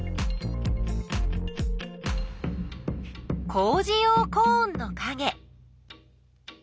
工じ用コーンのかげ。